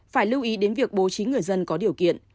phải lưu ý đến việc bố trí người dân có điều kiện